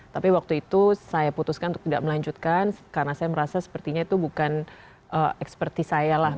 tapi waktu itu saya putuskan untuk tidak melanjutkan karena saya merasa sepertinya itu bukan eksperty saya lah